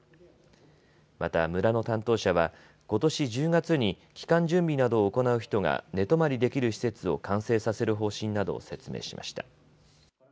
また村の担当者はことし１０月に帰還準備などを行う人が寝泊まりできる施設を完成させる方針などを説明しました。